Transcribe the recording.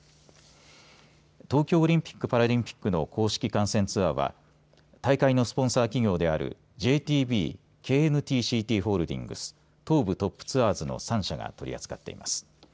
東京オリンピックパラリンピックの公式観戦ツアーは大会のスポンサー企業であるＪＴＢＫＮＴーＣＴホールディングス東部トップツアーの３社が取り扱っています。